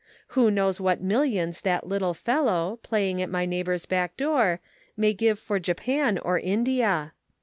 Who knows what millions that little fellow, playing at my neighbor's back door may give for Japan or India